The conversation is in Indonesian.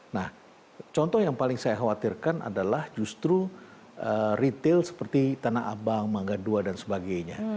nah contoh yang paling saya khawatirkan adalah justru retail seperti tanah abang mangga dua dan sebagainya